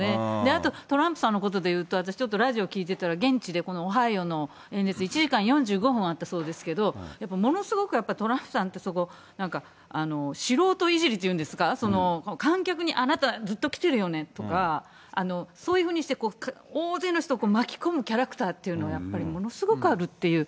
あと、トランプさんのことで言うと、私、ちょっとラジオ聞いてたら、現地でこのオハイオの演説、１時間４５分あったそうですけど、やっぱりものすごくやっぱりトランプさんって、なんか素人いじりっていうんですか、観客に、あなた、ずっと来てるよねとか、そういうふうにして、大勢の人を巻き込むキャラクターというのが、やっぱりものすごくあるっていう。